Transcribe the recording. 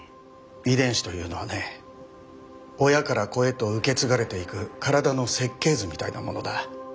遺伝子というのはね親から子へと受け継がれていく体の設計図みたいなものだ。